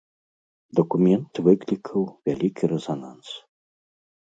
Дакумент выклікаў вялікі рэзананс.